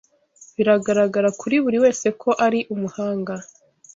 Biragaragara kuri buri wese ko ari umuhanga.